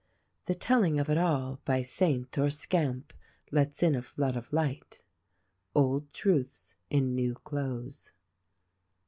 "The telling of it all, by Saint or Scamp, lets in a flood of light." — Old Truths in New Clothes.